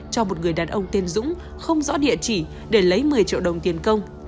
cho một người đàn ông tiên dũng không rõ địa chỉ để lấy một mươi triệu đồng tiền công